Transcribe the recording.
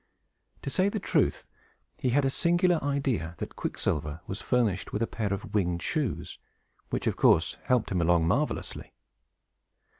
To say the truth, he had a singular idea that Quicksilver was furnished with a pair of winged shoes, which, of course, helped him along marvelously.